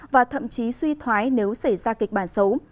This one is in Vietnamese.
và thậm chí suy thoái nếu xảy ra kịch bản xấu